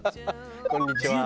こんにちは。